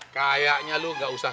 kayaknya lu ga usah